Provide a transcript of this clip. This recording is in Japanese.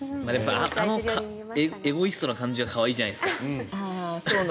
あのエゴイストな感じが可愛いじゃないですか。